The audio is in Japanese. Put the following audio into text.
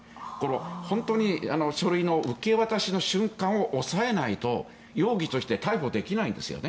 本当に書類の受け渡しの瞬間を押さえないと容疑として逮捕できないんですよね。